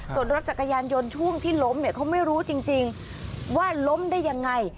ส่วนรถจักรยานยนต์ช่วงที่ล้มเนี่ยเขาไม่รู้จริงว่าล้มได้ยังไง